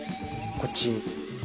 こっち。